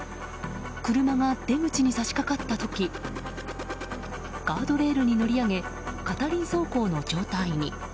車が出口に差し掛かった時ガードレールに乗り上げ片輪走行の状態に。